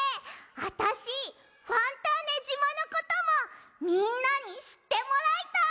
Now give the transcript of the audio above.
あたしファンターネじまのこともみんなにしってもらいたい！